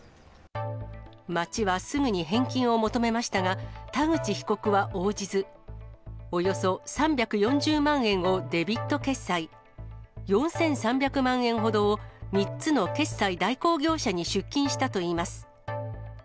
町はすぐに返金を求めましたが、田口被告は応じず、およそ３４０万円をデビット決済、４３００万円ほどを３つの決済代行業者に出金したといいます。